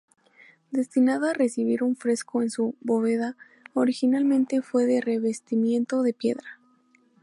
Destinada a recibir un fresco en su bóveda, originalmente fue de revestimiento de piedra.